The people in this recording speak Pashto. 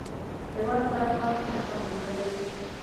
هېواد ته پاک خدمت وکړئ